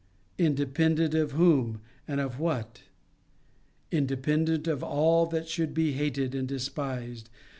Independent of whom, and of .what? Independent of all that should be hated and despised.